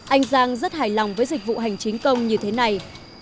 anh giang rất hài lòng với dịch vụ hành chính công như thế này